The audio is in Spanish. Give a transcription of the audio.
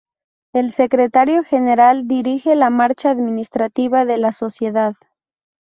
El Secretario General dirige la marcha administrativa de la Sociedad.